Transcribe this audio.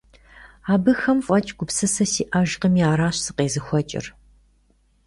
Абыхэм фӀэкӀ гупсысэ сиӀэжкъыми, аращ сыкъезыхуэкӀыр.